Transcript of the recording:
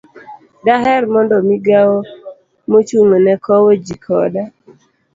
Daher mondo Migawo Mochung'ne Kowo Ji Koda